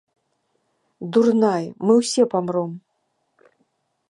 Дурная, мы ўсе памром!